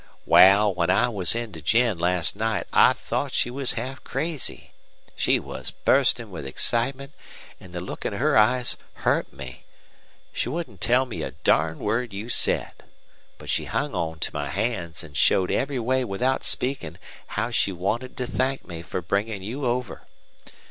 "Wal, when I went in to Jen last night I thought she was half crazy. She was burstin' with excitement, an' the look in her eyes hurt me. She wouldn't tell me a darn word you said. But she hung onto my hands, an' showed every way without speakin' how she wanted to thank me fer bringin' you over.